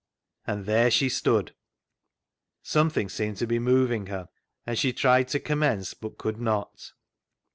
And there she stood. Something seemed to be moving her, and she tried to commence but could not.